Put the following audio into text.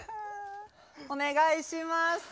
お願いします。